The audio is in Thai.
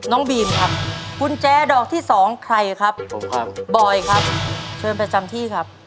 น้องบีมครับกุญแจดอกที่สองใครครับบอยครับเชิญประจำที่ครับ